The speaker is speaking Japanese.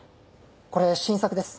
これ新作です。